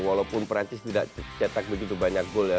walaupun perancis tidak tercetak begitu banyak gol ya